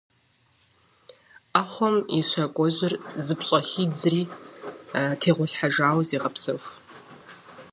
Ӏэхъуэм и щӏакӏуэжьыр зыпщӏэхидзри тегъуэлъхьэжауэ зегъэпсэху.